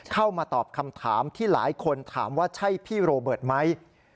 เข้ามาตอบคำถามที่หลายคนถามว่าใช่พี่โรเบิร์ตไหม